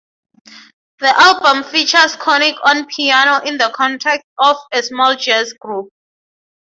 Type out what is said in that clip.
The album features Connick on piano in the context of a small jazz group.